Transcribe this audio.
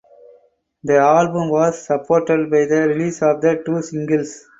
The album was supported by the release of two singles.